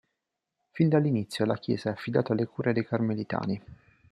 Fin dall'inizio la chiesa è affidata alle cure dei Carmelitani.